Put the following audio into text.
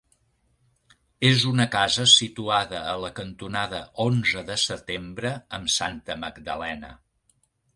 És una casa situada a la cantonada Onze de Setembre amb Santa Magdalena.